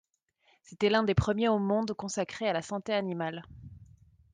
C'était l'un des premiers au monde consacré à la santé animale.